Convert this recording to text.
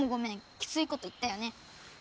きついこと言ったよね。